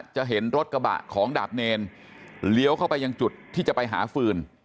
จะเห็นรถกระบะของดาบเนรเลี้ยวเข้าไปยังจุดที่จะไปหาฟืน